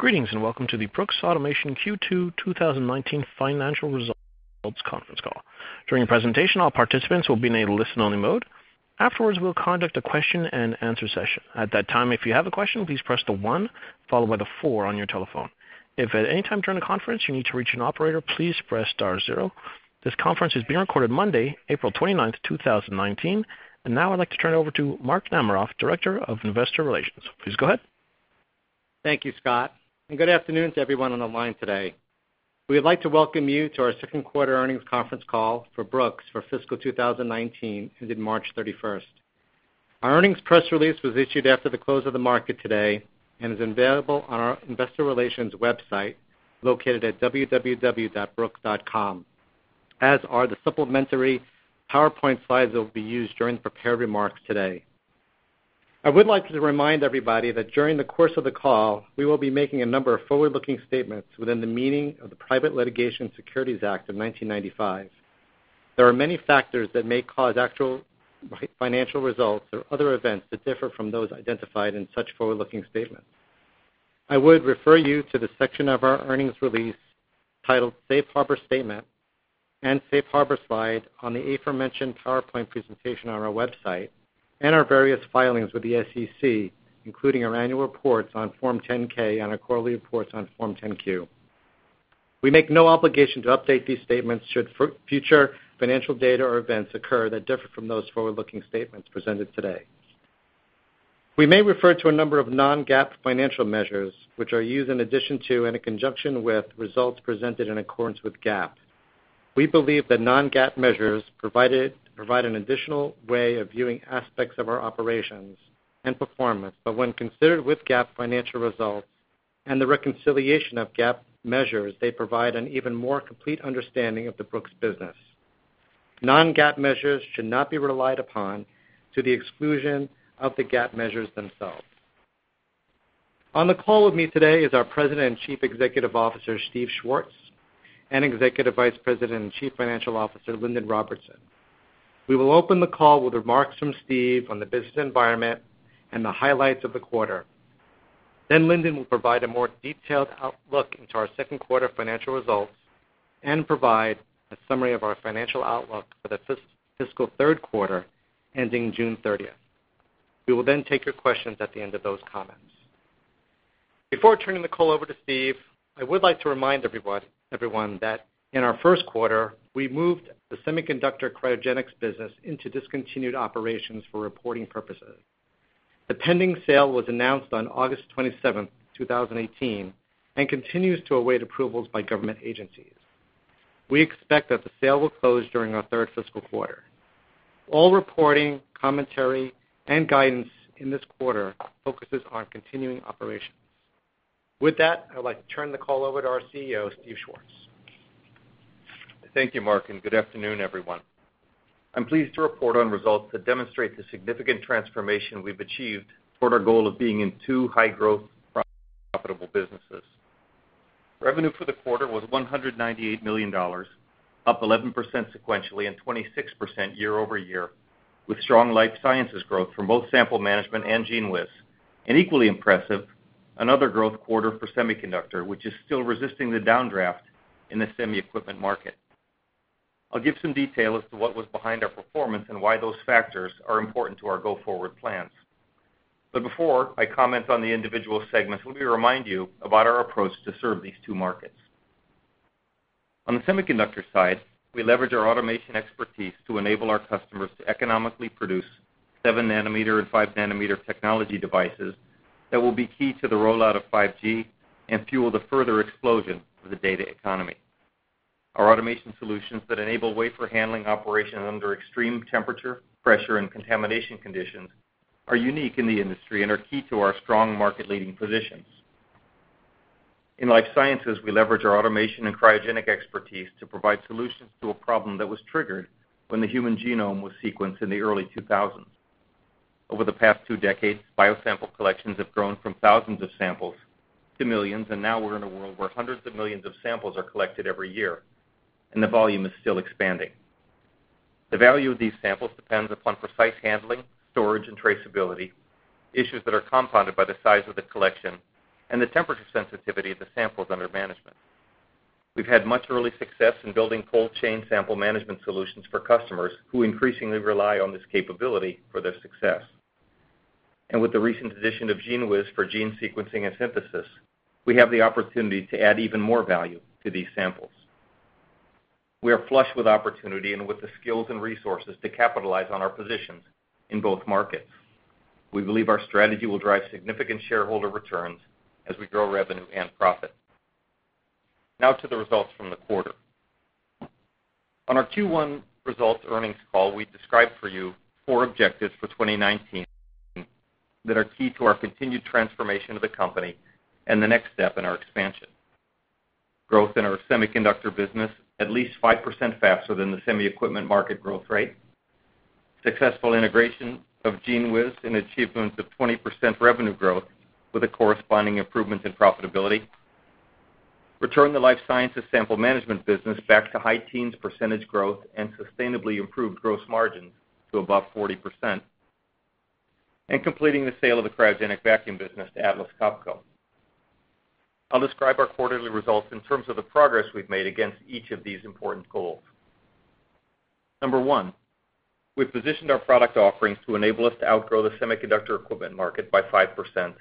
Greetings, welcome to the Brooks Automation Q2 2019 financial results conference call. During the presentation, all participants will be in a listen-only mode. Afterwards, we'll conduct a question and answer session. At that time, if you have a question, please press the one followed by the four on your telephone. If at any time during the conference you need to reach an operator, please press star zero. This conference is being recorded Monday, April 29th, 2019. Now I'd like to turn it over to Mark Namaroff, Director of Investor Relations. Please go ahead. Thank you, Scott, and good afternoon to everyone on the line today. We would like to welcome you to our second quarter earnings conference call for Brooks for fiscal 2019, ended March 31st. Our earnings press release was issued after the close of the market today and is available on our investor relations website, located at www.brooks.com, as are the supplementary PowerPoint slides that will be used during the prepared remarks today. I would like to remind everybody that during the course of the call, we will be making a number of forward-looking statements within the meaning of the Private Securities Litigation Reform Act of 1995. There are many factors that may cause actual financial results or other events to differ from those identified in such forward-looking statements. I would refer you to the section of our earnings release titled Safe Harbor Statement and Safe Harbor Slide on the aforementioned PowerPoint presentation on our website, and our various filings with the SEC, including our annual reports on Form 10-K and our quarterly reports on Form 10-Q. We make no obligation to update these statements should future financial data or events occur that differ from those forward-looking statements presented today. We may refer to a number of non-GAAP financial measures, which are used in addition to and in conjunction with results presented in accordance with GAAP. We believe that non-GAAP measures provide an additional way of viewing aspects of our operations and performance, but when considered with GAAP financial results and the reconciliation of GAAP measures, they provide an even more complete understanding of the Brooks business. Non-GAAP measures should not be relied upon to the exclusion of the GAAP measures themselves. On the call with me today is our President and Chief Executive Officer, Steve Schwartz, and Executive Vice President and Chief Financial Officer, Lindon Robertson. We will open the call with remarks from Steve on the business environment and the highlights of the quarter. Lindon will provide a more detailed outlook into our second quarter financial results and provide a summary of our financial outlook for the fiscal third quarter, ending June 30th. We will then take your questions at the end of those comments. Before turning the call over to Steve, I would like to remind everyone that in our first quarter, we moved the semiconductor cryogenics business into discontinued operations for reporting purposes. The pending sale was announced on August 27th, 2018, and continues to await approvals by government agencies. We expect that the sale will close during our third fiscal quarter. All reporting, commentary, and guidance in this quarter focuses on continuing operations. With that, I'd like to turn the call over to our CEO, Steve Schwartz. Thank you, Mark, and good afternoon, everyone. I'm pleased to report on results that demonstrate the significant transformation we've achieved toward our goal of being in two high-growth, profitable businesses. Revenue for the quarter was $198 million, up 11% sequentially and 26% year-over-year, with strong life sciences growth from both sample management and GENEWIZ. Equally impressive, another growth quarter for semiconductor, which is still resisting the downdraft in the semi equipment market. I'll give some detail as to what was behind our performance and why those factors are important to our go-forward plans. Before I comment on the individual segments, let me remind you about our approach to serve these two markets. On the semiconductor side, we leverage our automation expertise to enable our customers to economically produce seven nanometer and five nanometer technology devices that will be key to the rollout of 5G and fuel the further explosion of the data economy. Our automation solutions that enable wafer handling operations under extreme temperature, pressure, and contamination conditions are unique in the industry and are key to our strong market-leading positions. In life sciences, we leverage our automation and cryogenic expertise to provide solutions to a problem that was triggered when the human genome was sequenced in the early 2000s. Over the past two decades, biosample collections have grown from thousands of samples to millions, and now we're in a world where hundreds of millions of samples are collected every year, and the volume is still expanding. The value of these samples depends upon precise handling, storage, and traceability, issues that are compounded by the size of the collection and the temperature sensitivity of the samples under management. We've had much early success in building cold chain sample management solutions for customers who increasingly rely on this capability for their success. With the recent addition of GENEWIZ for gene sequencing and synthesis, we have the opportunity to add even more value to these samples. We are flush with opportunity and with the skills and resources to capitalize on our positions in both markets. We believe our strategy will drive significant shareholder returns as we grow revenue and profit. Now to the results from the quarter. On our Q1 results earnings call, we described for you four objectives for 2019 that are key to our continued transformation of the company and the next step in our expansion. Growth in our semiconductor business at least 5% faster than the semi equipment market growth rate. Successful integration of GENEWIZ and achievement of 20% revenue growth with a corresponding improvement in profitability. Return the life sciences sample management business back to high teens percentage growth and sustainably improved gross margins to above 40%, and completing the sale of the cryogenic vacuum business to Atlas Copco. I'll describe our quarterly results in terms of the progress we've made against each of these important goals. Number one, we've positioned our product offerings to enable us to outgrow the semiconductor equipment market by 5%,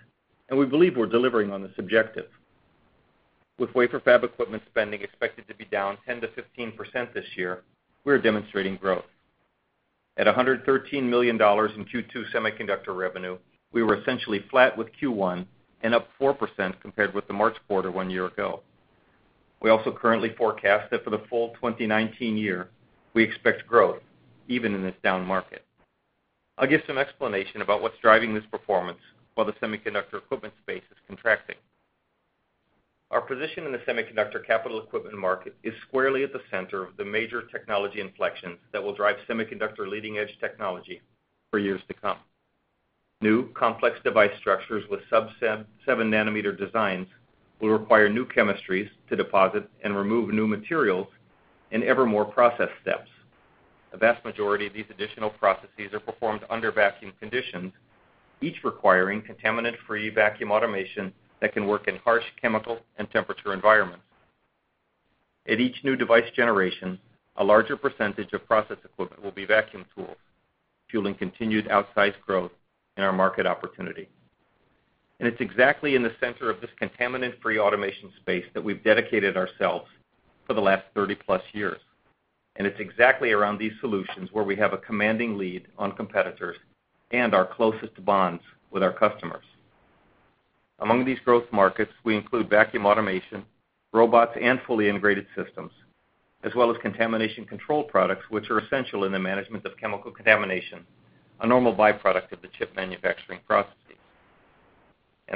and we believe we're delivering on this objective. With wafer fab equipment spending expected to be down 10%-15% this year, we are demonstrating growth. At $113 million in Q2 semiconductor revenue, we were essentially flat with Q1 and up 4% compared with the March quarter one year ago. We also currently forecast that for the full 2019 year, we expect growth, even in this down market. I'll give some explanation about what's driving this performance while the semiconductor equipment space is contracting. Our position in the semiconductor capital equipment market is squarely at the center of the major technology inflections that will drive semiconductor leading-edge technology for years to come. New, complex device structures with sub-seven nanometer designs will require new chemistries to deposit and remove new materials in ever more process steps. The vast majority of these additional processes are performed under vacuum conditions, each requiring contaminant-free vacuum automation that can work in harsh chemical and temperature environments. At each new device generation, a larger percentage of process equipment will be vacuum tools, fueling continued outsized growth in our market opportunity. It's exactly in the center of this contaminant-free automation space that we've dedicated ourselves for the last 30-plus years. It's exactly around these solutions where we have a commanding lead on competitors and our closest bonds with our customers. Among these growth markets, we include vacuum automation, robots, and fully integrated systems, as well as contamination control products which are essential in the management of chemical contamination, a normal byproduct of the chip manufacturing processes.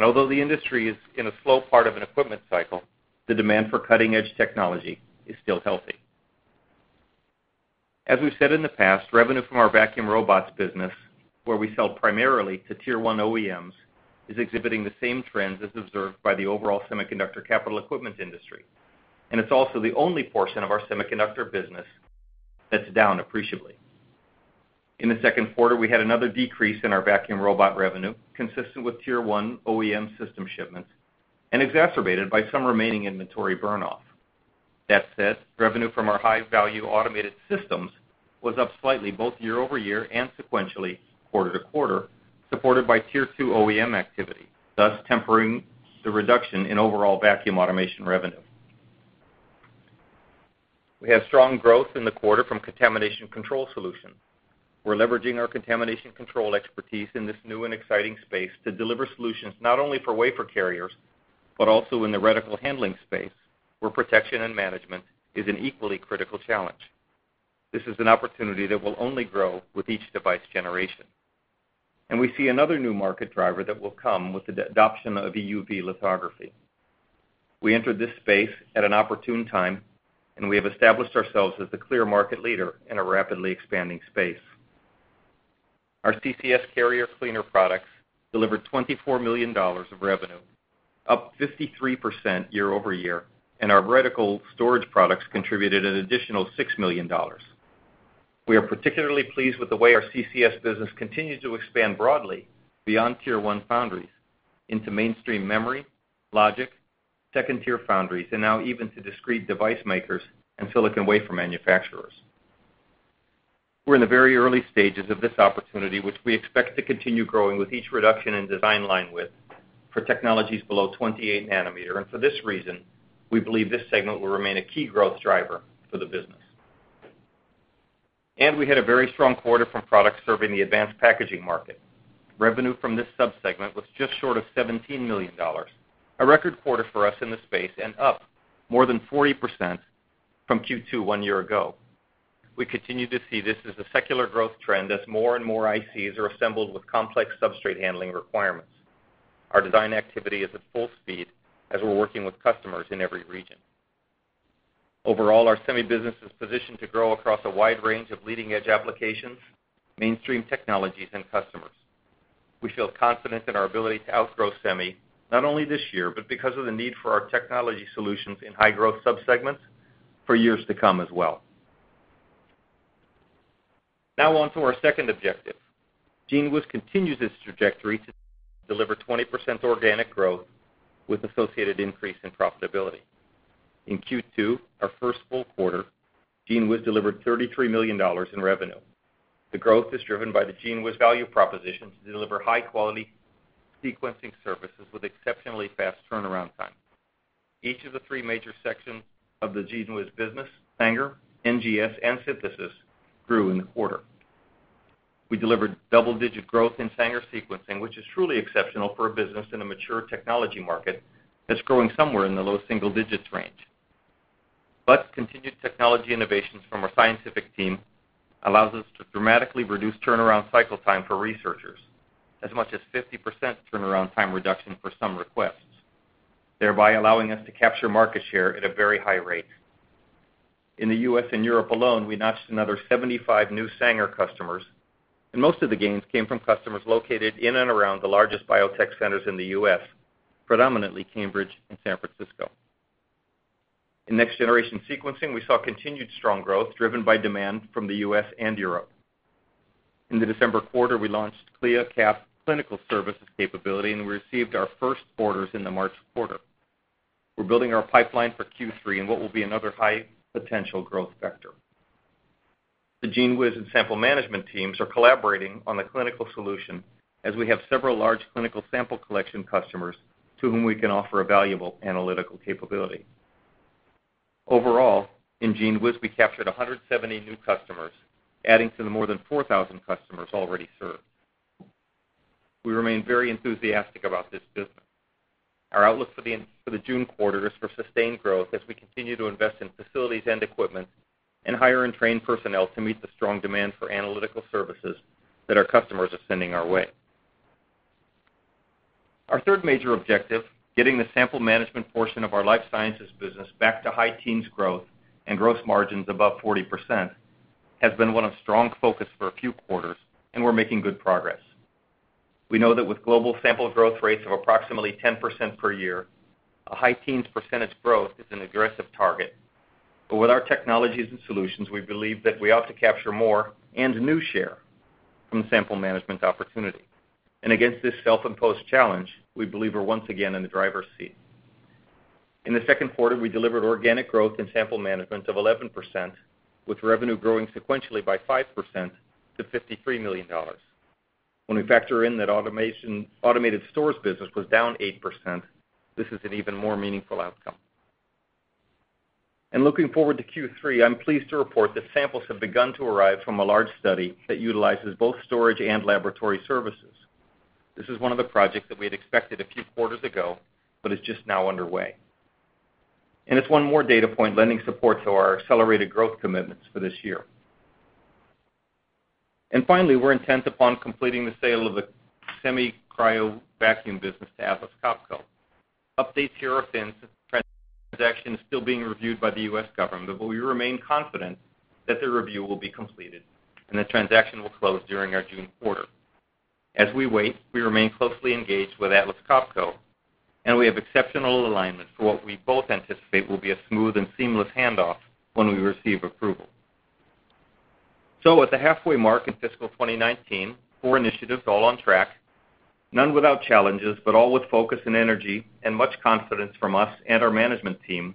Although the industry is in a slow part of an equipment cycle, the demand for cutting-edge technology is still healthy. As we've said in the past, revenue from our vacuum robots business, where we sell primarily to Tier 1 OEMs, is exhibiting the same trends as observed by the overall semiconductor capital equipment industry. It's also the only portion of our semiconductor business that's down appreciably. In the second quarter, we had another decrease in our vacuum robot revenue, consistent with Tier 1 OEM system shipments and exacerbated by some remaining inventory burn-off. That said, revenue from our high-value automated systems was up slightly both year-over-year and sequentially quarter-to-quarter, supported by Tier 2 OEM activity, thus tempering the reduction in overall vacuum automation revenue. We have strong growth in the quarter from contamination control solution. We're leveraging our contamination control expertise in this new and exciting space to deliver solutions not only for wafer carriers, but also in the reticle handling space, where protection and management is an equally critical challenge. This is an opportunity that will only grow with each device generation. We see another new market driver that will come with the adoption of EUV lithography. We entered this space at an opportune time. We have established ourselves as the clear market leader in a rapidly expanding space. Our CCS carrier cleaner products delivered $24 million of revenue, up 53% year-over-year, and our reticle storage products contributed an additional $6 million. We are particularly pleased with the way our CCS business continues to expand broadly beyond Tier 1 foundries into mainstream memory, logic, second-tier foundries, and now even to discrete device makers and silicon wafer manufacturers. We're in the very early stages of this opportunity, which we expect to continue growing with each reduction in design line width for technologies below 28 nanometer. For this reason, we believe this segment will remain a key growth driver for the business. We had a very strong quarter from products serving the advanced packaging market. Revenue from this sub-segment was just short of $17 million, a record quarter for us in this space and up more than 40% from Q2 one year ago. We continue to see this as a secular growth trend as more and more ICs are assembled with complex substrate handling requirements. Our design activity is at full speed as we're working with customers in every region. Overall, our semi business is positioned to grow across a wide range of leading-edge applications, mainstream technologies, and customers. We feel confident in our ability to outgrow semi, not only this year, but because of the need for our technology solutions in high-growth sub-segments for years to come as well. Now on to our second objective. GENEWIZ continues its trajectory to deliver 20% organic growth with associated increase in profitability. In Q2, our first full quarter, GENEWIZ delivered $33 million in revenue. The growth is driven by the GENEWIZ value proposition to deliver high-quality sequencing services with exceptionally fast turnaround time. Each of the three major sections of the GENEWIZ business, Sanger, NGS, and Synthesis, grew in the quarter. We delivered double-digit growth in Sanger sequencing, which is truly exceptional for a business in a mature technology market that's growing somewhere in the low single digits range. Continued technology innovations from our scientific team allows us to dramatically reduce turnaround cycle time for researchers, as much as 50% turnaround time reduction for some requests, thereby allowing us to capture market share at a very high rate. In the U.S. and Europe alone, we notched another 75 new Sanger customers, and most of the gains came from customers located in and around the largest biotech centers in the U.S., predominantly Cambridge and San Francisco. In next-generation sequencing, we saw continued strong growth driven by demand from the U.S. and Europe. In the December quarter, we launched CLIA/CAP's clinical services capability. We received our first orders in the March quarter. We're building our pipeline for Q3 in what will be another high-potential growth vector. The GENEWIZ and sample management teams are collaborating on a clinical solution as we have several large clinical sample collection customers to whom we can offer a valuable analytical capability. Overall, in GENEWIZ, we captured 170 new customers, adding to the more than 4,000 customers already served. We remain very enthusiastic about this business. Our outlook for the June quarter is for sustained growth as we continue to invest in facilities and equipment and hire and train personnel to meet the strong demand for analytical services that our customers are sending our way. Our third major objective, getting the sample management portion of our life sciences business back to high teens growth and growth margins above 40%, has been one of strong focus for a few quarters, we're making good progress. We know that with global sample growth rates of approximately 10% per year, a high teens percentage growth is an aggressive target. With our technologies and solutions, we believe that we ought to capture more and new share from sample management opportunity. Against this self-imposed challenge, we believe we're once again in the driver's seat. In the second quarter, we delivered organic growth in sample management of 11%, with revenue growing sequentially by 5% to $53 million. When we factor in that automated storage business was down 8%, this is an even more meaningful outcome. Looking forward to Q3, I'm pleased to report that samples have begun to arrive from a large study that utilizes both storage and laboratory services. This is one of the projects that we had expected a few quarters ago, but is just now underway. It's one more data point lending support to our accelerated growth commitments for this year. Finally, we're intent upon completing the sale of the semi-cryo vacuum business to Atlas Copco. Updates here are thin since the transaction is still being reviewed by the U.S. government, we remain confident that the review will be completed, the transaction will close during our June quarter. As we wait, we remain closely engaged with Atlas Copco, we have exceptional alignment for what we both anticipate will be a smooth and seamless handoff when we receive approval. At the halfway mark in fiscal 2019, four initiatives all on track, none without challenges, all with focus and energy and much confidence from us and our management team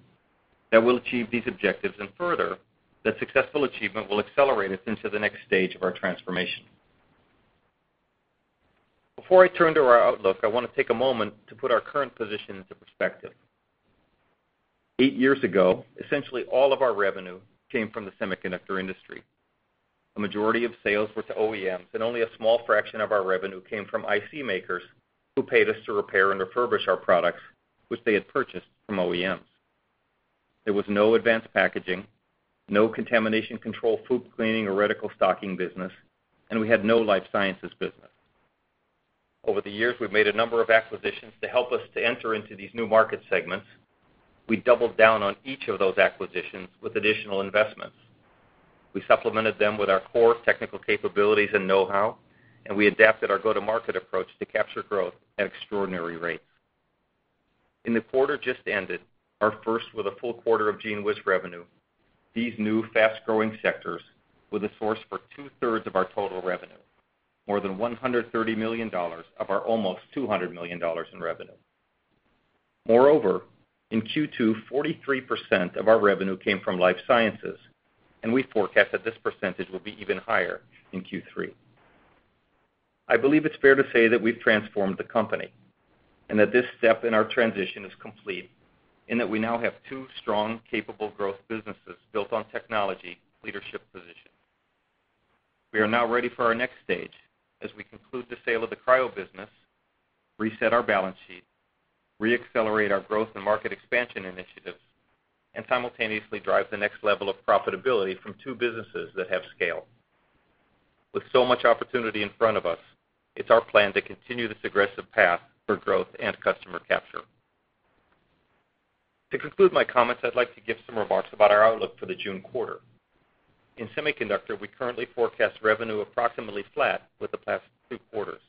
that we'll achieve these objectives, further, that successful achievement will accelerate us into the next stage of our transformation. Before I turn to our outlook, I want to take a moment to put our current position into perspective. Eight years ago, essentially all of our revenue came from the semiconductor industry. A majority of sales were to OEMs, and only a small fraction of our revenue came from IC makers who paid us to repair and refurbish our products, which they had purchased from OEMs. There was no advanced packaging, no contamination control, FOUP cleaning, or reticle stocking business, we had no life sciences business. Over the years, we've made a number of acquisitions to help us to enter into these new market segments. We doubled down on each of those acquisitions with additional investments. We supplemented them with our core technical capabilities and know-how, we adapted our go-to-market approach to capture growth at extraordinary rates. In the quarter just ended, our first with a full quarter of GENEWIZ revenue, these new fast-growing sectors were the source for 2/3 of our total revenue, more than $130 million of our almost $200 million in revenue. Moreover, in Q2, 43% of our revenue came from life sciences, we forecast that this percentage will be even higher in Q3. I believe it's fair to say that we've transformed the company, that this step in our transition is complete, in that we now have two strong, capable growth businesses built on technology leadership position. We are now ready for our next stage as we conclude the sale of the cryo business, reset our balance sheet, re-accelerate our growth and market expansion initiatives, and simultaneously drive the next level of profitability from two businesses that have scale. With so much opportunity in front of us, it's our plan to continue this aggressive path for growth and customer capture. To conclude my comments, I'd like to give some remarks about our outlook for the June quarter. In semiconductor, we currently forecast revenue approximately flat with the past two quarters.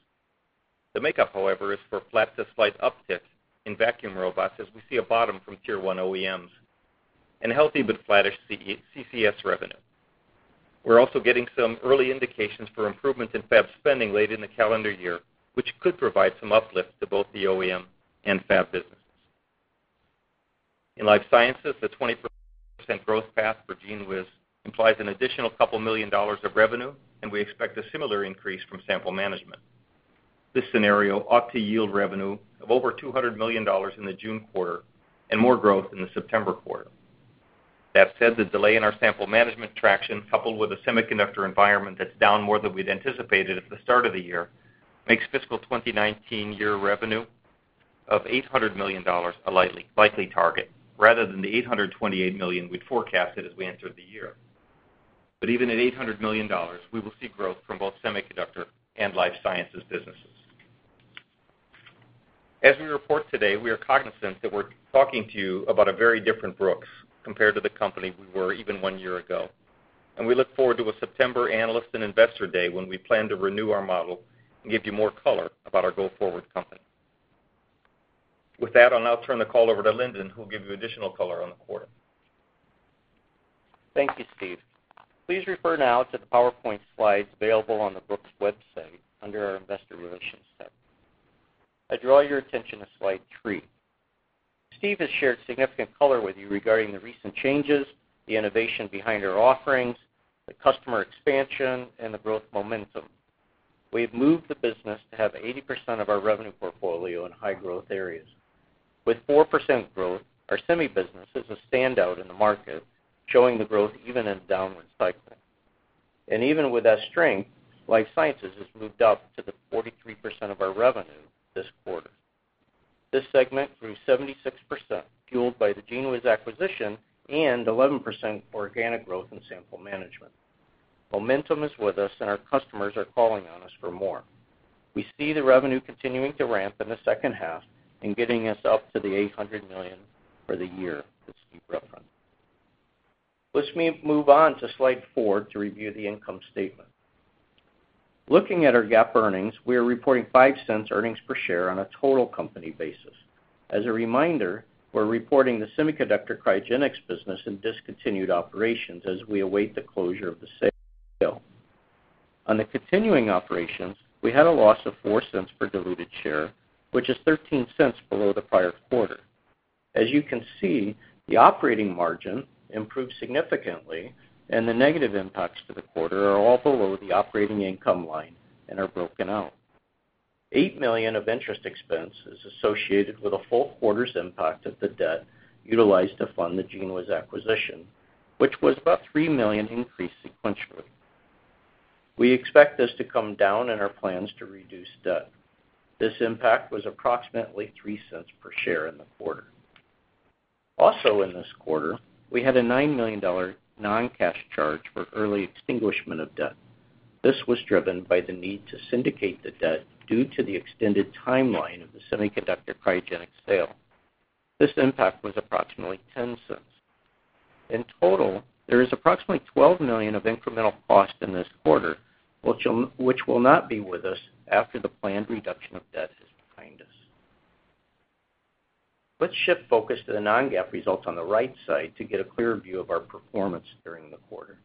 The makeup, however, is for flat to slight uptick in vacuum robots as we see a bottom from tier 1 OEMs, and healthy but flattish CCS revenue. We're also getting some early indications for improvement in fab spending late in the calendar year, which could provide some uplift to both the OEM and fab businesses. In life sciences, the 20% growth path for GENEWIZ implies an additional couple million dollars of revenue, and we expect a similar increase from sample management. This scenario ought to yield revenue of over $200 million in the June quarter and more growth in the September quarter. That said, the delay in our sample management traction, coupled with a semiconductor environment that's down more than we'd anticipated at the start of the year, makes fiscal 2019 year revenue of $800 million a likely target rather than the $828 million we'd forecasted as we entered the year. Even at $800 million, we will see growth from both semiconductor and life sciences businesses. As we report today, we are cognizant that we're talking to you about a very different Brooks compared to the company we were even one year ago, and we look forward to a September analyst and investor day when we plan to renew our model and give you more color about our go-forward company. With that, I'll now turn the call over to Lindon, who will give you additional color on the quarter. Thank you, Steve. Please refer now to the PowerPoint slides available on the Brooks website under our investor relations tab. I draw your attention to slide three. Steve has shared significant color with you regarding the recent changes, the innovation behind our offerings, the customer expansion, and the growth momentum. We have moved the business to have 80% of our revenue portfolio in high-growth areas. With 4% growth, our semi business is a standout in the market, showing the growth even in a downward cycle. Even with that strength, life sciences has moved up to the 43% of our revenue this quarter. This segment grew 76%, fueled by the GENEWIZ acquisition and 11% organic growth in sample management. Momentum is with us, and our customers are calling on us for more. We see the revenue continuing to ramp in the second half and getting us up to the $800 million for the year that Steve referenced. Let's move on to slide four to review the income statement. Looking at our GAAP earnings, we are reporting $0.05 earnings per share on a total company basis. As a reminder, we are reporting the semiconductor cryogenics business in discontinued operations as we await the closure of the sale deal. On the continuing operations, we had a loss of $0.04 per diluted share, which is $0.13 below the prior quarter. As you can see, the operating margin improved significantly, the negative impacts to the quarter are all below the operating income line and are broken out. $8 million of interest expense is associated with a full quarter's impact of the debt utilized to fund the GENEWIZ acquisition, which was about $3 million increase sequentially. We expect this to come down in our plans to reduce debt. This impact was approximately $0.03 per share in the quarter. Also in this quarter, we had a $9 million non-cash charge for early extinguishment of debt. This was driven by the need to syndicate the debt due to the extended timeline of the semiconductor cryogenics sale. This impact was approximately $0.10. In total, there is approximately $12 million of incremental cost in this quarter, which will not be with us after the planned reduction of debt is behind us. Let's shift focus to the non-GAAP results on the right side to get a clear view of our performance during the quarter.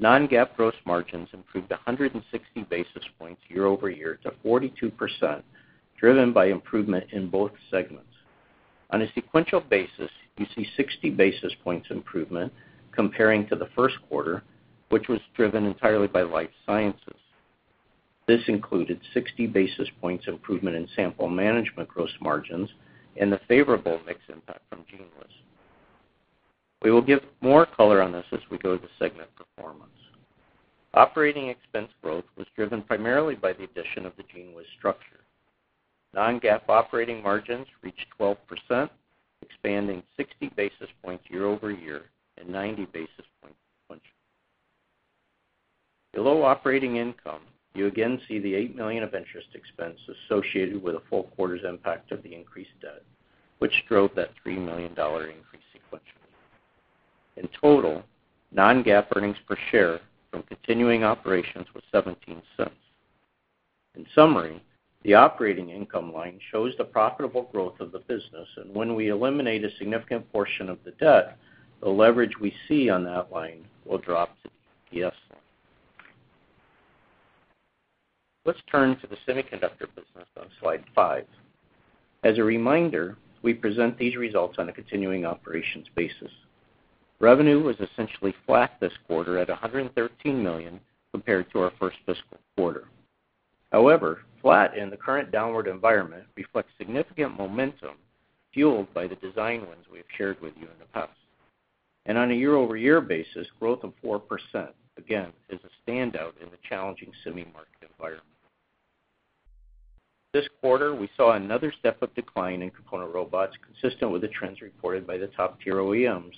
Non-GAAP gross margins improved 160 basis points year-over-year to 42%, driven by improvement in both segments. On a sequential basis, you see 60 basis points improvement comparing to the first quarter, which was driven entirely by life sciences. This included 60 basis points improvement in sample management gross margins and the favorable mix impact from GENEWIZ. We will give more color on this as we go to segment performance. Operating expense growth was driven primarily by the addition of the GENEWIZ structure. Non-GAAP operating margins reached 12%, expanding 60 basis points year-over-year and 90 basis points sequentially. Below operating income, you again see the $8 million of interest expense associated with a full quarter's impact of the increased debt, which drove that $3 million increase sequentially. In total, non-GAAP earnings per share from continuing operations was $0.17. In summary, the operating income line shows the profitable growth of the business, when we eliminate a significant portion of the debt, the leverage we see on that line will drop to the EPS line. Let's turn to the semiconductor business on slide five. As a reminder, we present these results on a continuing operations basis. Revenue was essentially flat this quarter at $113 million compared to our first fiscal quarter. However, flat in the current downward environment reflects significant momentum fueled by the design wins we have shared with you in the past. On a year-over-year basis, growth of 4% again is a standout in the challenging semi market environment. This quarter, we saw another step-up decline in component robots consistent with the trends reported by the top tier OEMs.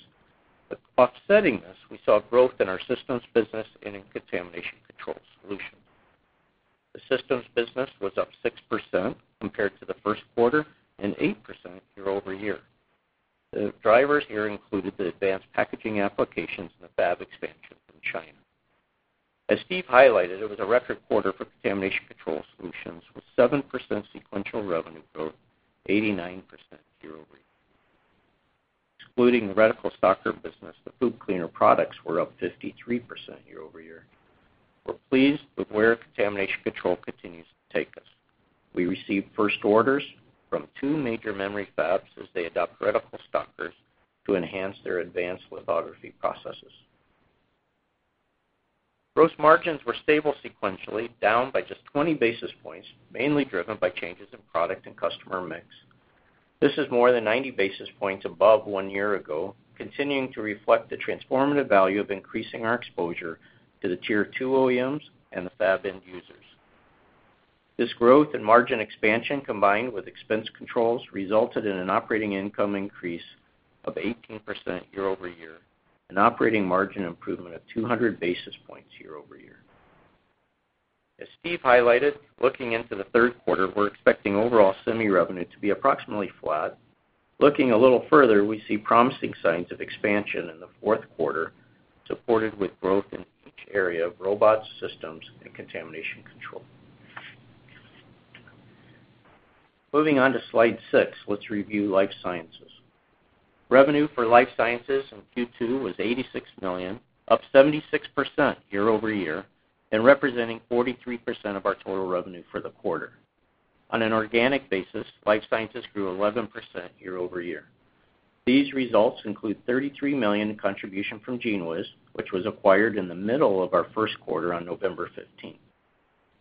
Offsetting this, we saw growth in our systems business and in contamination control solutions. The systems business was up 6% compared to the first quarter and 8% year-over-year. The drivers here included the advanced packaging applications and the fab expansion from China. As Steve highlighted, it was a record quarter for contamination control solutions, with 7% sequential revenue growth, 89% year-over-year. Excluding the reticle stocker business, the FOUP cleaner products were up 53% year-over-year. We're pleased with where contamination control continues to take us. We received first orders from two major memory fabs as they adopt reticle stockers to enhance their advanced lithography processes. Gross margins were stable sequentially, down by just 20 basis points, mainly driven by changes in product and customer mix. This is more than 90 basis points above one year ago, continuing to reflect the transformative value of increasing our exposure to the tier 2 OEMs and the fab end users. This growth and margin expansion, combined with expense controls, resulted in an operating income increase of 18% year-over-year and operating margin improvement of 200 basis points year-over-year. As Steve highlighted, looking into the third quarter, we're expecting overall semi revenue to be approximately flat. Looking a little further, we see promising signs of expansion in the fourth quarter, supported with growth in each area of robots, systems, and contamination control. Moving on to Slide six, let's review life sciences. Revenue for life sciences in Q2 was $86 million, up 76% year-over-year, and representing 43% of our total revenue for the quarter. On an organic basis, life sciences grew 11% year-over-year. These results include $33 million in contribution from GENEWIZ, which was acquired in the middle of our first quarter on November 15th.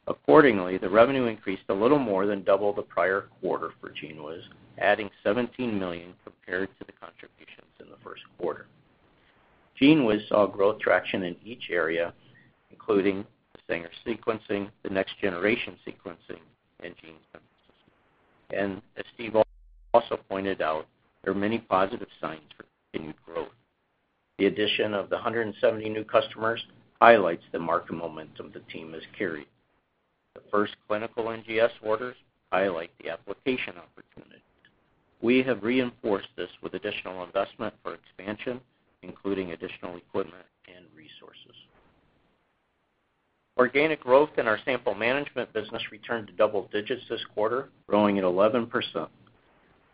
Accordingly, the revenue increased a little more than double the prior quarter for GENEWIZ, adding $17 million compared to the contributions in the first quarter. GENEWIZ saw growth traction in each area, including the Sanger sequencing, the next generation sequencing, and gene synthesis. As Steve also pointed out, there are many positive signs for continued growth. The addition of the 170 new customers highlights the market momentum the team has carried. The first clinical NGS orders highlight the application opportunities. We have reinforced this with additional investment for expansion, including additional equipment and resources. Organic growth in our sample management business returned to double digits this quarter, growing at 11%.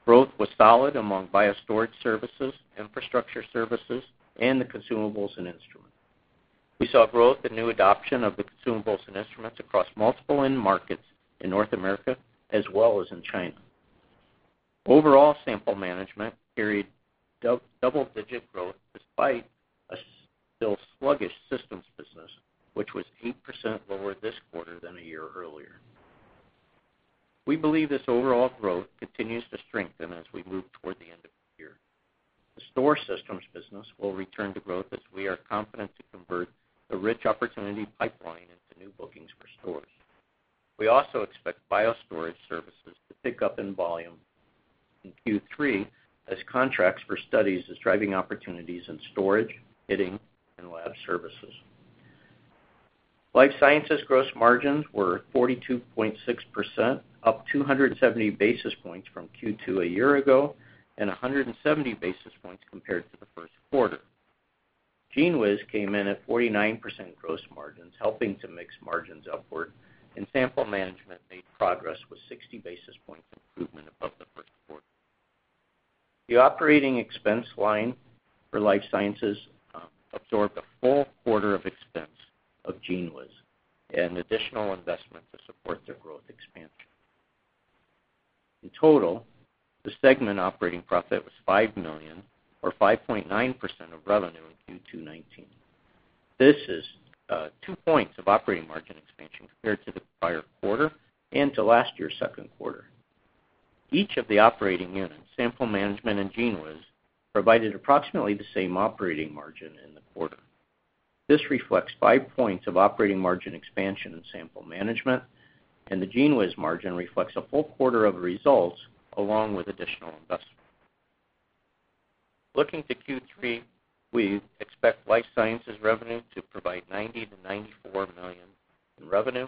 Growth was solid among BioStorage services, infrastructure services, and the consumables and instruments. We saw growth and new adoption of the consumables and instruments across multiple end markets in North America, as well as in China. Overall sample management carried double-digit growth despite a still sluggish systems business, which was 8% lower this quarter than a year earlier. We believe this overall growth continues to strengthen as we move toward the end of the year. The storage systems business will return to growth as we are confident to convert the rich opportunity pipeline into new bookings for storage. We also expect BioStorage services to pick up in volume in Q3 as contracts for studies is driving opportunities in storage, kitting, and lab services. Life sciences gross margins were 42.6%, up 270 basis points from Q2 a year ago, and 170 basis points compared to the first quarter. GENEWIZ came in at 49% gross margins, helping to mix margins upward, and sample management made progress with 60 basis points improvement above the first quarter. The operating expense line for life sciences absorbed a full quarter of expense of GENEWIZ and additional investment to support their growth expansion. In total, the segment operating profit was $5 million or 5.9% of revenue in Q2 '19. This is two points of operating margin expansion compared to the prior quarter and to last year's second quarter. Each of the operating units, Sample Management and GENEWIZ, provided approximately the same operating margin in the quarter. This reflects five points of operating margin expansion in Sample Management, and the GENEWIZ margin reflects a full quarter of results along with additional investment. Looking to Q3, we expect life sciences revenue to provide $90 million-$94 million in revenue,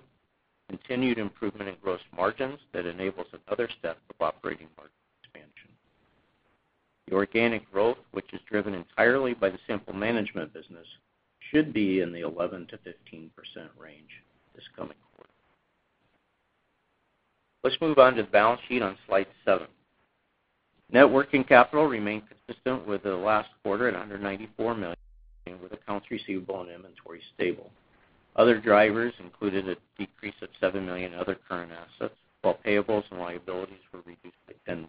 continued improvement in gross margins that enables another step of operating margin expansion. The organic growth, which is driven entirely by the Sample Management business, should be in the 11%-15% range this coming quarter. Let's move on to the balance sheet on Slide seven. Net working capital remained consistent with the last quarter at under $94 million, with accounts receivable and inventory stable. Other drivers included a decrease of $7 million in other current assets, while payables and liabilities were reduced by $10 million.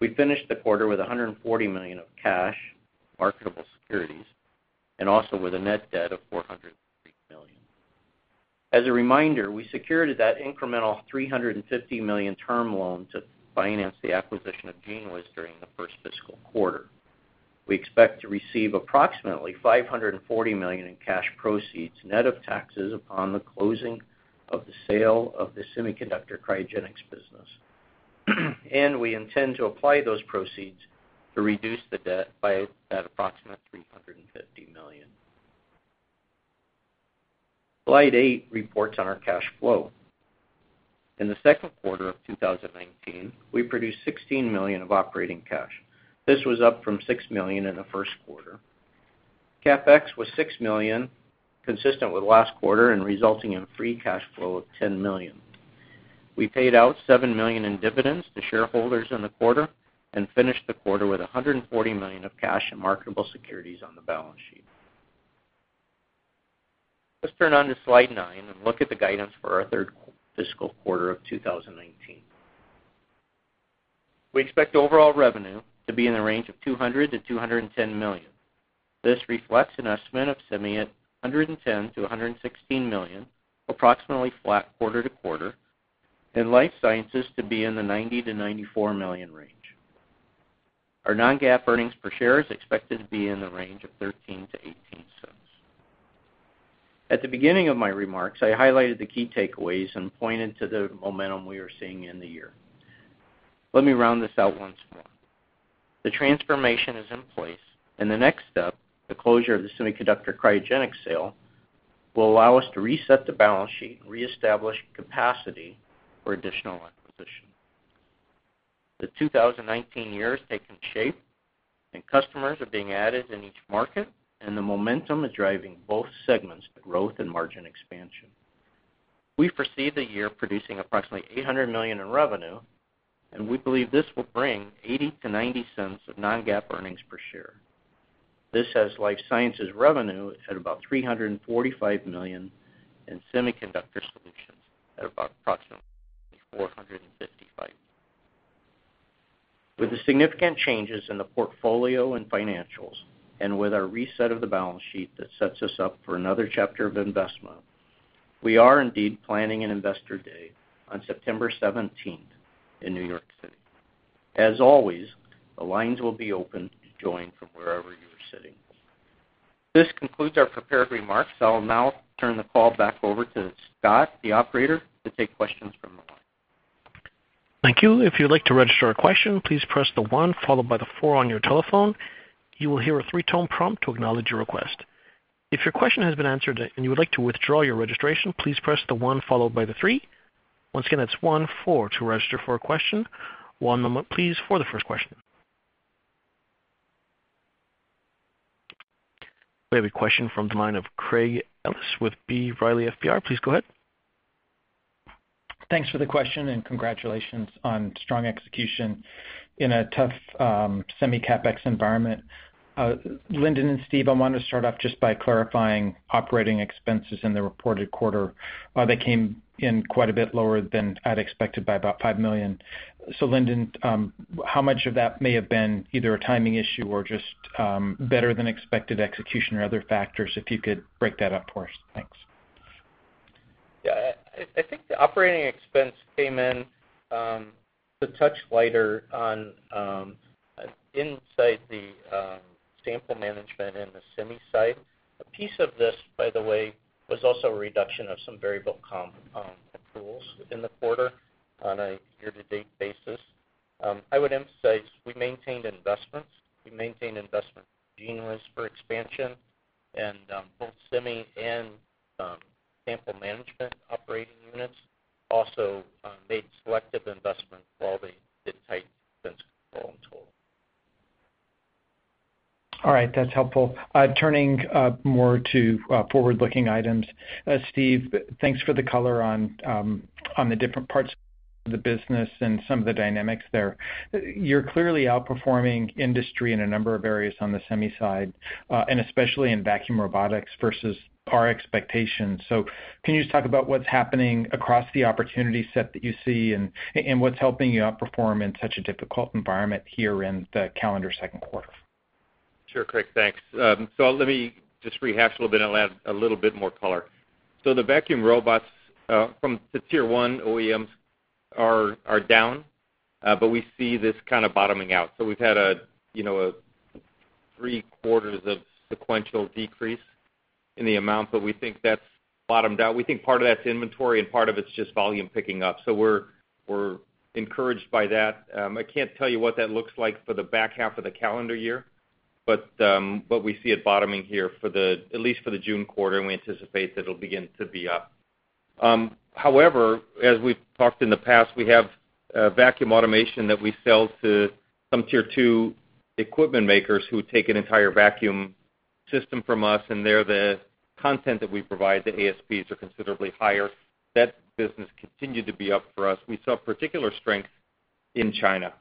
We finished the quarter with $140 million of cash, marketable securities, and also with a net debt of $403 million. As a reminder, we secured that incremental $350 million term loan to finance the acquisition of GENEWIZ during the first fiscal quarter. We expect to receive approximately $540 million in cash proceeds net of taxes upon the closing of the sale of the semiconductor cryogenics business. We intend to apply those proceeds to reduce the debt by that approximate $350 million. Slide eight reports on our cash flow. In the second quarter of 2019, we produced $16 million of operating cash. This was up from $6 million in the first quarter. CapEx was $6 million, consistent with last quarter and resulting in free cash flow of $10 million. We paid out $7 million in dividends to shareholders in the quarter and finished the quarter with $140 million of cash and marketable securities on the balance sheet. Let's turn on to Slide nine and look at the guidance for our third fiscal quarter of 2019. We expect overall revenue to be in the range of $200 million-$210 million. This reflects an estimate of semi at $110 million-$116 million, approximately flat quarter-to-quarter, and life sciences to be in the $90 million-$94 million range. Our non-GAAP earnings per share is expected to be in the range of $0.13-$0.18. At the beginning of my remarks, I highlighted the key takeaways and pointed to the momentum we are seeing in the year. Let me round this out once more. The transformation is in place, and the next step, the closure of the semiconductor cryogenic sale, will allow us to reset the balance sheet and reestablish capacity for additional acquisition. The 2019 year has taken shape, customers are being added in each market, and the momentum is driving both segments to growth and margin expansion. We foresee the year producing approximately $800 million in revenue. We believe this will bring $0.80-$0.90 of non-GAAP EPS. This has life sciences revenue at about $345 million and semiconductor solutions at about approximately $455 million. With the significant changes in the portfolio and financials, with our reset of the balance sheet that sets us up for another chapter of investment, we are indeed planning an investor day on September 17th in New York City. As always, the lines will be open to join from wherever you are sitting. This concludes our prepared remarks. I'll now turn the call back over to Scott, the operator, to take questions from the line. Thank you. If you'd like to register a question, please press the one followed by the four on your telephone. You will hear a three-tone prompt to acknowledge your request. If your question has been answered and you would like to withdraw your registration, please press the one followed by the three. Once again, that's one, four to register for a question. One, please, for the first question. We have a question from the line of Craig Ellis with B. Riley FBR. Please go ahead. Thanks for the question. Congratulations on strong execution in a tough semi CapEx environment. Lindon and Steve, I wanted to start off just by clarifying operating expenses in the reported quarter. They came in quite a bit lower than I'd expected by about $5 million. Lindon, how much of that may have been either a timing issue or just better than expected execution or other factors, if you could break that up for us? Thanks. I think the operating expense came in a touch lighter inside the sample management and the semi site. A piece of this, by the way, was also a reduction of some variable comp accruals within the quarter on a year-to-date basis. I would emphasize, we maintained investments. We maintained investment GENEWIZ for expansion. Both semi and sample management operating units also made selective investments while they did tight expense control in total. All right. That's helpful. Turning more to forward-looking items. Steve, thanks for the color on the different parts of the business and some of the dynamics there. You're clearly outperforming industry in a number of areas on the semi side, and especially in vacuum robotics versus our expectations. Can you just talk about what's happening across the opportunity set that you see and what's helping you outperform in such a difficult environment here in the calendar second quarter? Sure, Craig. Thanks. Let me just rehash a little bit and add a little bit more color. The vacuum robots from the Tier 1 OEMs are down, but we see this kind of bottoming out. We've had three quarters of sequential decrease in the amount, but we think that's bottomed out. We think part of that's inventory and part of it's just volume picking up. We're encouraged by that. I can't tell you what that looks like for the back half of the calendar year, but we see it bottoming here at least for the June quarter, and we anticipate that it'll begin to be up. However, as we've talked in the past, we have vacuum automation that we sell to some Tier 2 equipment makers who take an entire vacuum system from us, and there, the content that we provide, the ASPs, are considerably higher. That business continued to be up for us. We saw particular strength in China.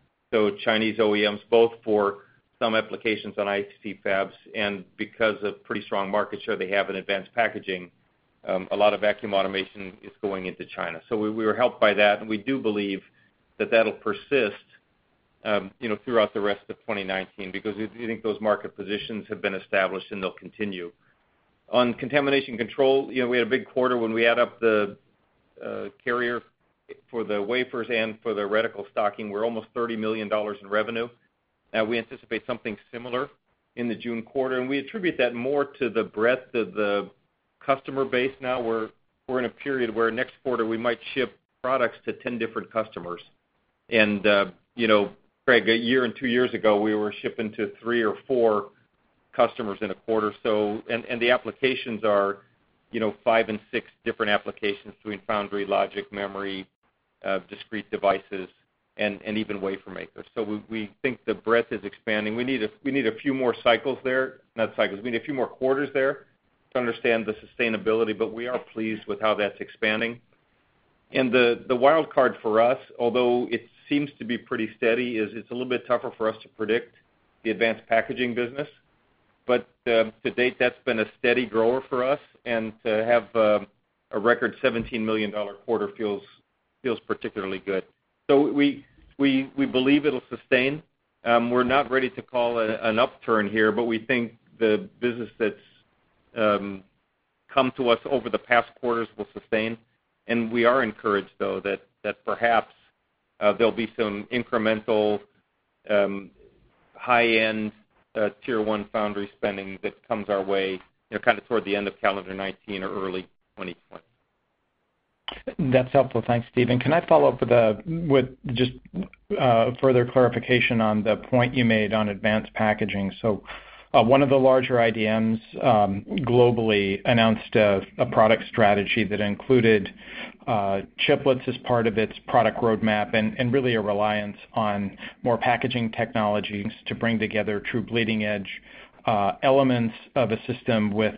Chinese OEMs, both for some applications on ICT fabs, and because of pretty strong market share they have in advanced packaging, a lot of vacuum automation is going into China. We were helped by that, and we do believe that that'll persist throughout the rest of 2019, because we think those market positions have been established and they'll continue. On contamination control, we had a big quarter. When we add up the carrier for the wafers and for the reticle stocking, we're almost $30 million in revenue. We anticipate something similar in the June quarter, and we attribute that more to the breadth of the customer base now. We're in a period where next quarter we might ship products to 10 different customers. Craig, a year and two years ago, we were shipping to three or four customers in a quarter, and the applications are five and six different applications between foundry, logic, memory, discrete devices, and even wafer makers. We think the breadth is expanding. We need a few more cycles there. Not cycles. We need a few more quarters there to understand the sustainability, but we are pleased with how that's expanding. The wild card for us, although it seems to be pretty steady, is it's a little bit tougher for us to predict the advanced packaging business. To date, that's been a steady grower for us, and to have a record $17 million quarter feels particularly good. We believe it'll sustain. We're not ready to call an upturn here, but we think the business that's come to us over the past quarters will sustain. We are encouraged, though, that perhaps there'll be some incremental high-end Tier 1 foundry spending that comes our way kind of toward the end of calendar 2019 or early 2020. That's helpful. Thanks, Steve. Can I follow up with just further clarification on the point you made on advanced packaging? One of the larger IDMs, globally, announced a product strategy that included chiplets as part of its product roadmap, and really a reliance on more packaging technologies to bring together true bleeding-edge elements of a system with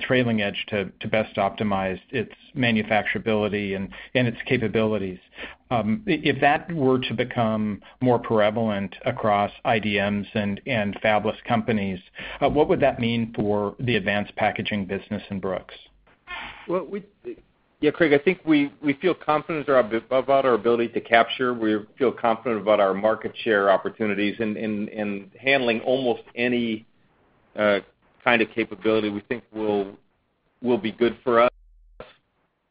trailing edge to best optimize its manufacturability and its capabilities. If that were to become more prevalent across IDMs and fabless companies, what would that mean for the advanced packaging business in Brooks? Well, yeah, Craig, I think we feel confident about our ability to capture, we feel confident about our market share opportunities and handling almost any kind of capability we think will be good for us.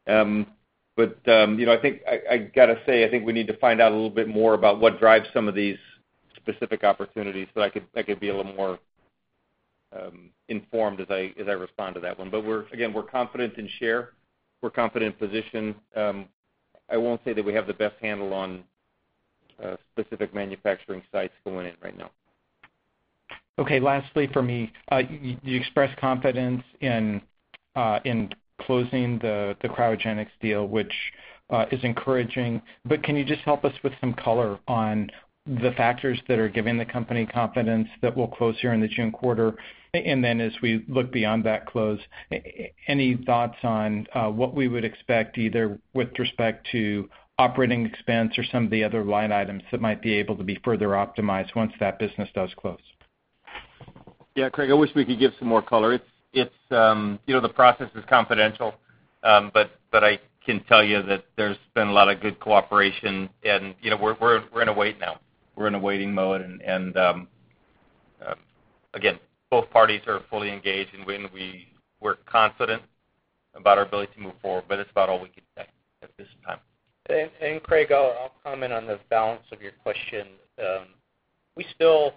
I got to say, I think we need to find out a little bit more about what drives some of these specific opportunities, so I could be a little more informed as I respond to that one. Again, we're confident in share, we're confident in position. I won't say that we have the best handle on specific manufacturing sites going in right now. Okay, lastly for me, you expressed confidence in closing the cryogenics deal, which is encouraging, can you just help us with some color on the factors that are giving the company confidence that we'll close here in the June quarter, and then as we look beyond that close, any thoughts on what we would expect, either with respect to operating expense or some of the other line items that might be able to be further optimized once that business does close? Yeah, Craig, I wish we could give some more color. The process is confidential, but I can tell you that there's been a lot of good cooperation, and we're in a wait now. We're in a waiting mode, and again, both parties are fully engaged, and we're confident about our ability to move forward, but it's about all we can say at this time. Craig, I'll comment on the balance of your question. We still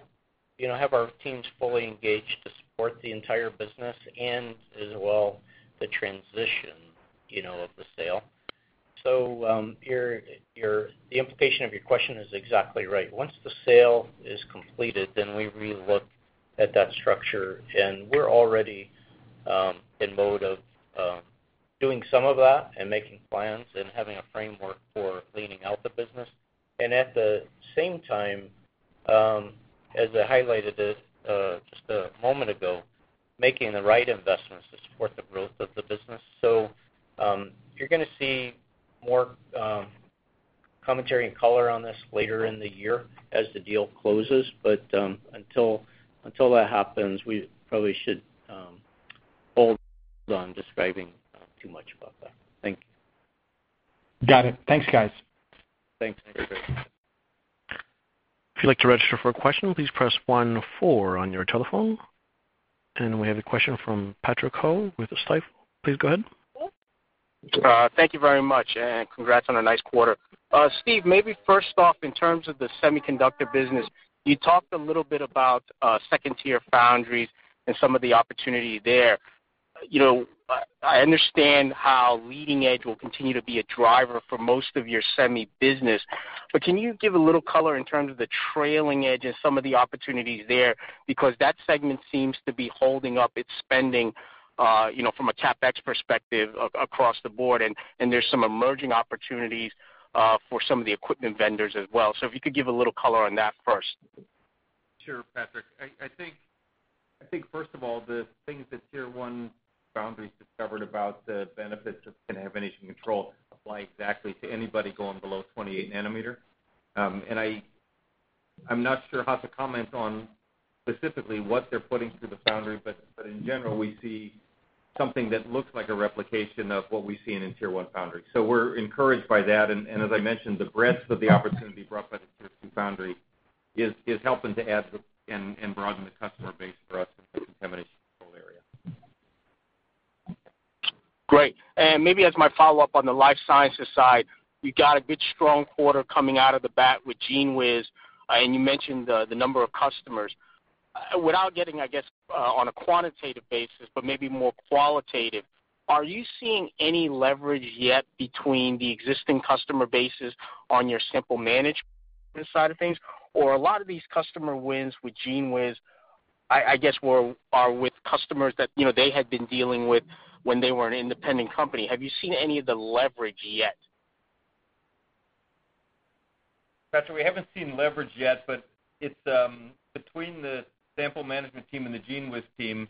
have our teams fully engaged to support the entire business and as well, the transition of the sale. The implication of your question is exactly right. Once the sale is completed, then we re-look at that structure. We're already in mode of doing some of that and making plans and having a framework for leaning out the business. At the same time, as I highlighted it just a moment ago, making the right investments to support the growth of the business. You're going to see more commentary and color on this later in the year as the deal closes. Until that happens, we probably should hold on describing too much about that. Thank you. Got it. Thanks, guys. Thanks. Thanks. If you'd like to register for a question, please press 1-4 on your telephone. We have a question from Patrick Ho with Stifel. Please go ahead. Thank you very much, and congrats on a nice quarter. Steve, maybe first off, in terms of the semiconductor business, you talked a little bit about second-tier foundries and some of the opportunity there. I understand how leading edge will continue to be a driver for most of your semi business, but can you give a little color in terms of the trailing edge and some of the opportunities there? That segment seems to be holding up its spending, from a CapEx perspective, across the board, and there's some emerging opportunities for some of the equipment vendors as well. If you could give a little color on that first. Sure, Patrick. I think, first of all, the things that tier 1 foundries discovered about the benefits of contamination control apply exactly to anybody going below 28 nanometer. I'm not sure how to comment on specifically what they're putting through the foundry, but in general, we see something that looks like a replication of what we've seen in tier 1 foundries. We're encouraged by that, and as I mentioned, the breadth of the opportunity brought by the tier 2 foundry is helping to add and broaden the customer base for us in the contamination control area. Great. Maybe as my follow-up on the life sciences side, we got a good, strong quarter coming out of the bat with GENEWIZ, and you mentioned the number of customers. Without getting, I guess, on a quantitative basis, but maybe more qualitative, are you seeing any leverage yet between the existing customer bases on your sample management side of things, or a lot of these customer wins with GENEWIZ, I guess, are with customers that they had been dealing with when they were an independent company. Have you seen any of the leverage yet? Patrick, we haven't seen leverage yet, but between the sample management team and the GENEWIZ team,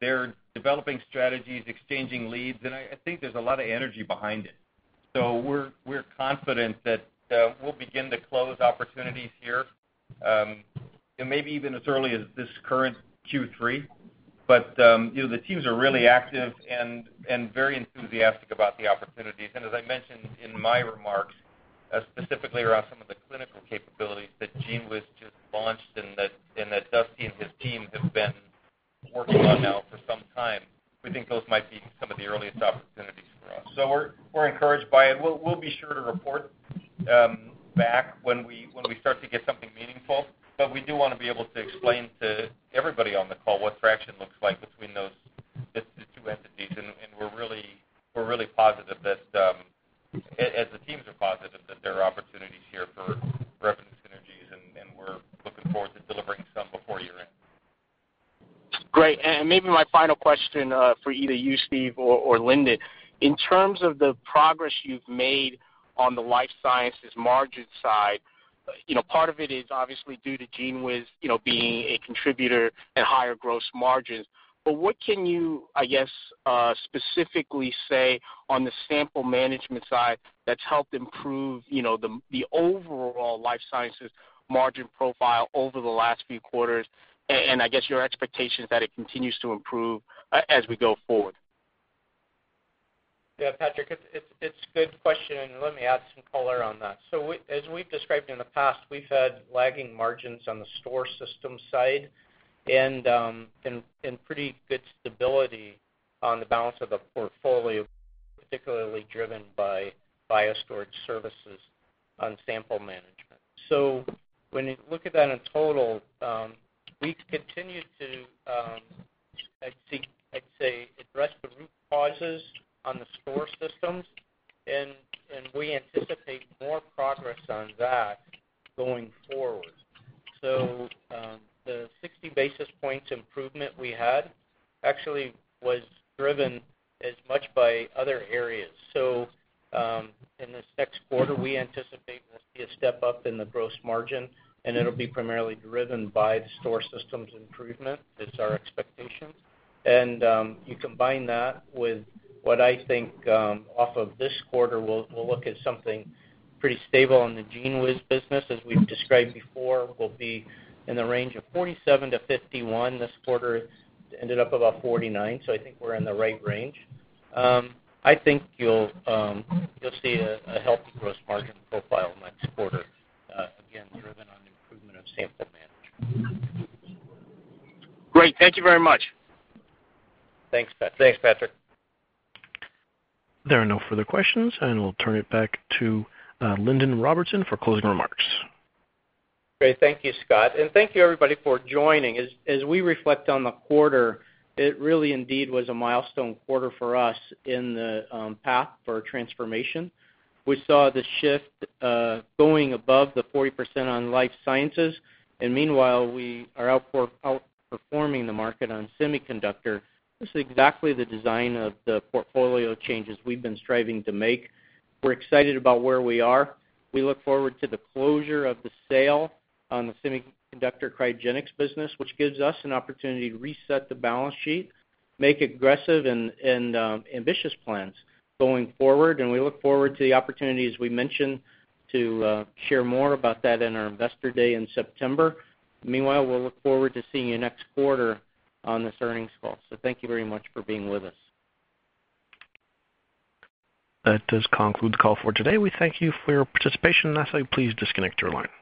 they're developing strategies, exchanging leads, and I think there's a lot of energy behind it. We're confident that we'll begin to close opportunities here, and maybe even as early as this current Q3. The teams are really active and very enthusiastic about the opportunities. As I mentioned in my remarks, specifically around some of the clinical capabilities that GENEWIZ just launched and that Dusty and his team have been working on now for some time, we think those might be some of the earliest opportunities for us. We're encouraged by it. We'll be sure to report back when we start to get meaningful, but we do want to be able to explain to everybody on the call what fraction looks like between those two entities. We're really positive, as the teams are positive, that there are opportunities here for revenue synergies, and we're looking forward to delivering some before year-end. Great. Maybe my final question, for either you, Steve, or Linden. In terms of the progress you've made on the life sciences margin side, part of it is obviously due to GENEWIZ being a contributor at higher gross margins. What can you, I guess, specifically say on the sample management side that's helped improve the overall life sciences margin profile over the last few quarters, and I guess, your expectations that it continues to improve, as we go forward? Patrick, it's a good question, and let me add some color on that. As we've described in the past, we've had lagging margins on the storage systems side and pretty good stability on the balance of the portfolio, particularly driven by BioStorage services on sample management. When you look at that in total, we've continued to, I'd say, address the root causes on the storage systems, and we anticipate more progress on that going forward. The 60 basis points improvement we had actually was driven as much by other areas. In this next quarter, we anticipate there'll be a step up in the gross margin, and it'll be primarily driven by the storage systems improvement, is our expectation. You combine that with what I think, off of this quarter, we'll look at something pretty stable in the GENEWIZ business. As we've described before, we'll be in the range of 47% to 51% this quarter. Ended up about 49%, so I think we're in the right range. I think you'll see a healthy gross margin profile next quarter, again, driven on the improvement of sample management. Great. Thank you very much. Thanks, Patrick. Thanks, Patrick. There are no further questions, and we'll turn it back to Lindon Robertson for closing remarks. Great. Thank you, Scott. Thank you everybody for joining. As we reflect on the quarter, it really indeed was a milestone quarter for us in the path for transformation. We saw the shift, going above the 40% on life sciences, meanwhile, we are outperforming the market on semiconductor. This is exactly the design of the portfolio changes we've been striving to make. We're excited about where we are. We look forward to the closure of the sale on the semiconductor cryogenics business, which gives us an opportunity to reset the balance sheet, make aggressive and ambitious plans going forward. We look forward to the opportunities we mentioned to share more about that in our investor day in September. Meanwhile, we'll look forward to seeing you next quarter on this earnings call. Thank you very much for being with us. That does conclude the call for today. We thank you for your participation. Lastly, please disconnect your line.